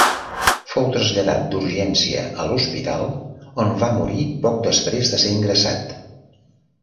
Fou traslladat d'urgència a l'hospital, on va morir poc després de ser ingressat.